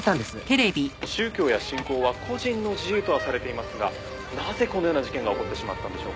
「宗教や信仰は個人の自由とはされていますがなぜこのような事件が起こってしまったんでしょうか？」